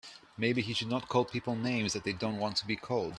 Maybe he should not call people names that they don't want to be called.